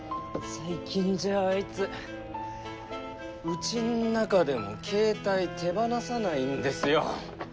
最近じゃあいつうちん中でも携帯手放さないんですよ。